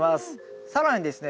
更にですね